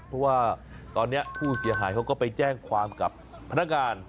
เพราะว่าตอนนี้ผู้เสียหายเขาก็ไปแจ้งความกับพนักงาน